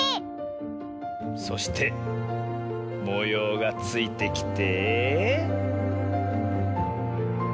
そしてもようがついてきて。